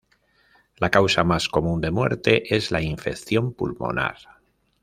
La causa más común de muerte es la infección pulmonar.